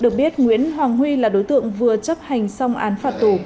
được biết nguyễn hoàng huy là đối tượng vừa chấp hành xong án phạt tù